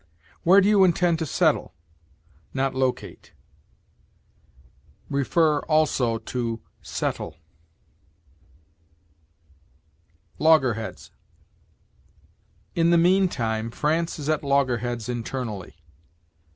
"Where do you intend to settle?" not locate. See, also, SETTLE. LOGGERHEADS. "In the mean time France is at loggerheads internally."